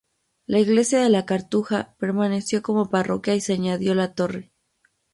La Iglesia de la cartuja permaneció como parroquia y se añadió la torre.